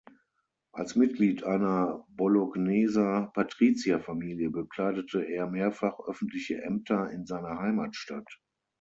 Als Mitglied einer Bologneser Patrizierfamilie bekleidete er mehrfach öffentliche Ämter in seiner Heimatstadt.